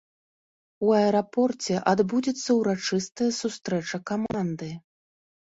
У аэрапорце адбудзецца ўрачыстая сустрэча каманды.